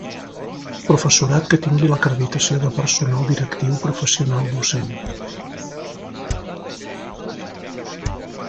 Professorat que tingui l'acreditació de personal directiu professional docent.